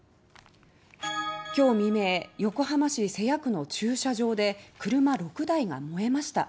今日未明横浜市瀬谷区の駐車場で車６台が燃えました。